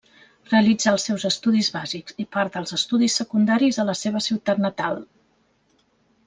Realitzà els seus estudis bàsics i part dels estudis secundaris a la seva ciutat natal.